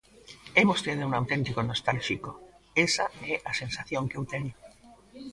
É vostede un auténtico nostálxico, esa é a sensación que eu teño.